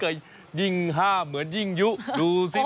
ยิ่งห้ามเหมือนยิ่งยุดูสิ